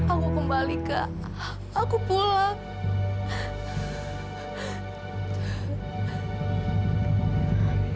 aku kembali ke aku pulang